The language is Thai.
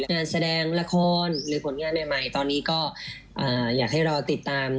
งานแสดงละครหรือผลงานใหม่ตอนนี้ก็อยากให้รอติดตาม